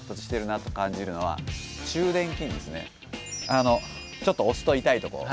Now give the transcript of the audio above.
あのちょっと押すと痛いとこ。